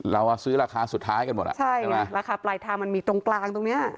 เราอ่ะซื้อราคาสุดท้ายกันหมดอ่ะใช่ไงราคาปลายทางมันมีตรงกลางตรงเนี้ย